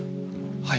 はい。